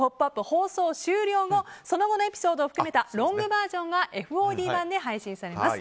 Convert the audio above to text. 放送終了後その後のエピソードを含めたロングバージョンがＦＯＤ版で配信されます。